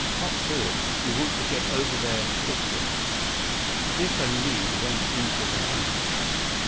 Hop to it. We want to get over there quickly." Biff and Li went into the house.